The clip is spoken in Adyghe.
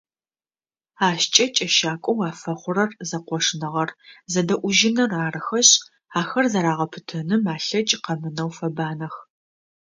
Ащкӏэ кӏэщакӏоу афэхъурэр зэкъошныгъэр, зэдэӏужьыныр арыхэшъ, ахэр зэрагъэпытэным алъэкӏ къэмынэу фэбанэх.